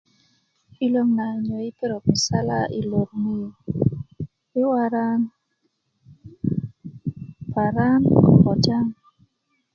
iloŋ na 'yei perok musala i lor ni i waran paran ko kotyaŋ